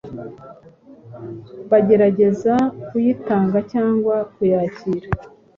bagerageza kuyitanga cyangwa kuyakira.